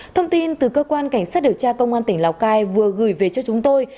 thông tin từ cơ quan cảnh sát điều tra công an tỉnh lào cai vừa gửi về cho chúng tôi